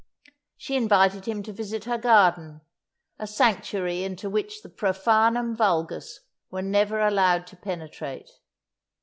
She invited him to visit her garden a sanctuary into which the profanum vulgus were never allowed to penetrate.